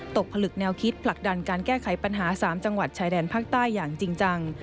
ผลึกแนวคิดผลักดันการแก้ไขปัญหา๓จังหวัดชายแดนภาคใต้อย่างจริงจัง